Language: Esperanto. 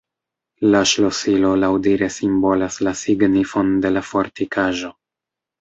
La ŝlosilo laŭdire simbolas la signifon de la fortikaĵo.